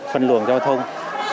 phân luồng giao thông